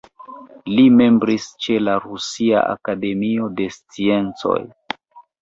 Li membris ĉe la Rusia Akademio de Sciencoj.